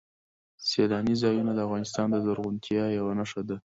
سیلاني ځایونه د افغانستان د زرغونتیا یوه نښه ده.